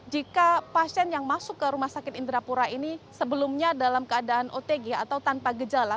jika pasien yang masuk ke rumah sakit indrapura ini sebelumnya dalam keadaan otg atau tanpa gejala